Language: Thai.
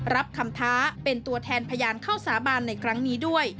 รับคำท้าเป็นตัวแทนพยานเข้าสาบานในครั้งนี้ด้วย